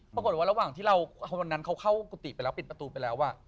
ปรากฏว่าระหว่างที่เราเข้ากุฎิแล้วปิดประตูไปแล้ว